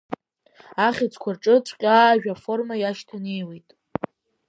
Ахьыӡқәа рҿы -ҵәҟьа ажәаформа иашьҭанеиуеит…